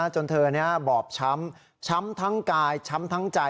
จนเธอบอบช้ำช้ำทั้งกายช้ำทั้งใจ